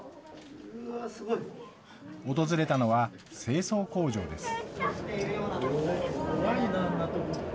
訪れたのは、清掃工場です。